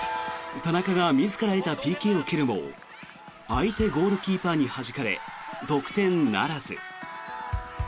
田中が自ら得たＰＫを蹴るも相手ゴールキーパーにはじかれ得点ならず。